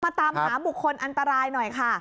ตามหาบุคคลอันตรายหน่อยค่ะ